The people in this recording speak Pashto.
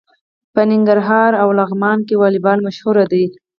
په ننګرهار او لغمان کې والیبال مشهور دی.